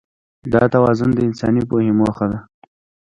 دا توازن د انساني پوهې موخه ده.